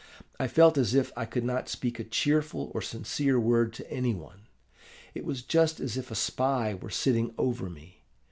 I felt as if I could not speak a cheerful or sincere word to any one: it was just as if a spy were sitting over me.